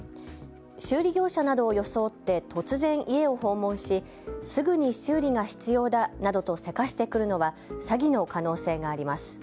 修理業者などを装って突然家を訪問し、すぐに修理が必要だなどとせかしてくるのは詐欺の可能性があります。